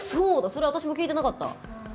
それ私も聞いてなかった。